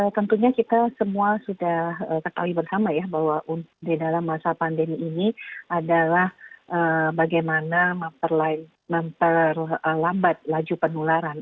tentunya kita semua sudah ketahui bersama ya bahwa di dalam masa pandemi ini adalah bagaimana memperlambat laju penularan